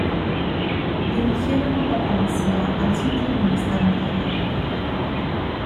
Dirigieron a la policía al sitio donde estaba enterrado el cuerpo.